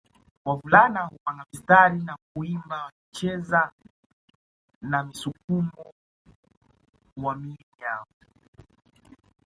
Wavulana hupanga msitari na kuimba wakicheza na msukumo wa miili yao